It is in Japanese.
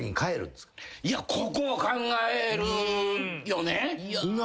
いやここを考えるよね！